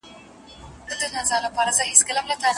که ډاکټره ارام وي، د لوړ ږغ سره به پاڼه ړنګه نه